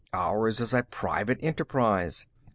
Ours is a private enterprise.